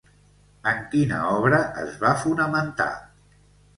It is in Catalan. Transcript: En quina obra es va fonamentar?